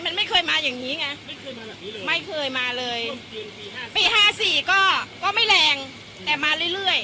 มันไม่เคยมาอย่างนี้ไงไม่เคยมาเลยปีห้าสี่ก็ก็ไม่แรงแต่มาเรื่อยเรื่อย